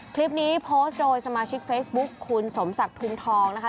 คลิปนี้โพสต์โดยสมาชิกเฟซบุ๊คคุณสมศักดิ์ทุมทองนะคะ